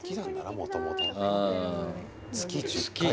もともとな。